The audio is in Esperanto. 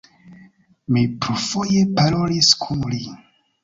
Mi plurfoje parolis kun li.